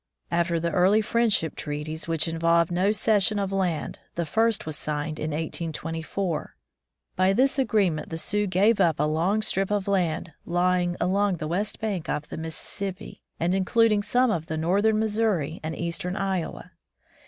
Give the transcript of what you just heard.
After the early friendship treaties which involved no cession of land, the first was signed in 1824. By this agree ment the Sioux gave up a long strip of land lying along the west bank of the Mississippi, and including some of northern Missouri and eastern Iowa.